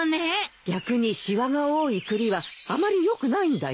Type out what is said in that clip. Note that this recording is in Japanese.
逆にしわが多い栗はあまりよくないんだよ。